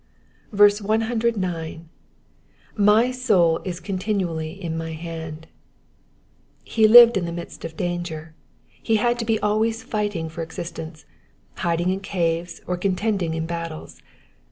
109. ^^My Boulis cantinttally in my Tiand,''^ He lived in the midst of danger. He had to be always fighting for existence — hiding in caves, or contending in battles.